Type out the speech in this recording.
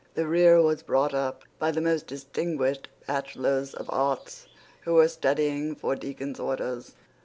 The rear was brought up by the most distinguished bachelors of arts who were studying for deacon's orders.